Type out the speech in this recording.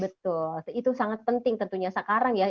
betul itu sangat penting tentunya sekarang ya